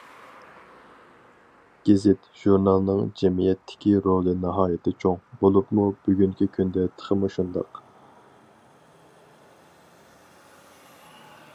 گېزىت- ژۇرنالنىڭ جەمئىيەتتىكى رولى ناھايىتى چوڭ، بولۇپمۇ بۈگۈنكى كۈندە تېخىمۇ شۇنداق.